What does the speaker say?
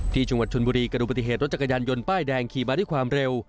ที่จังหวัดชนบุรีกระดูกปฏิเหตุรถจักรยานยนต์ป้ายแดงขี่มาด้วยความเร็ว